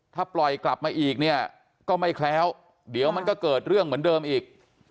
ถ้าปล่อยกลับมาอีกเนี่ยก็ไม่แคล้วเดี๋ยวมันก็เกิดเรื่องเหมือนเดิมอีก